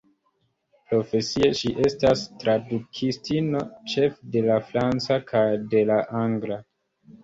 Profesie ŝi estas tradukistino, ĉefe de la franca kaj de la angla.